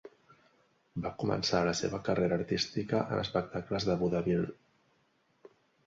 Va començar la seva carrera artística en espectacles de vodevil.